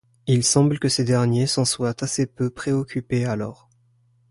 Il semble que ces derniers s’en soient assez peu préoccupés alors.